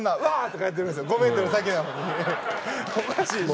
おかしいでしょ。